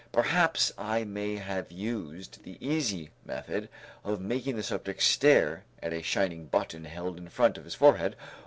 Perhaps I may have used the easy method of making the subject stare at a shining button held in front of his forehead.